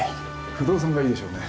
不動産がいいでしょうね